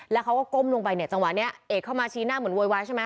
แล้วเขาก็ก้มลงไปเนี่ยจังหวะนี้เอกเข้ามาชี้หน้าเหมือนโวยวายใช่ไหม